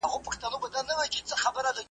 ماتول مي سرابونه هغه نه یم `